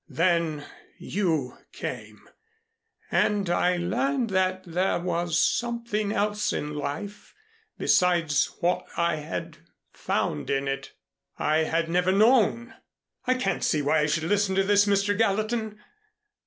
Then you came, and I learned that there was something else in life besides what I had found in it. I had never known " "I can't see why I should listen to this, Mr. Gallatin."